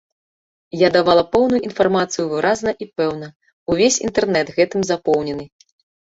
Я давала поўную інфармацыю выразна і пэўна, увесь інтэрнэт гэтым запоўнены.